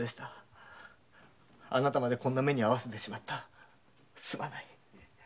あなたまでこんな目に遭わせてしまいすまない。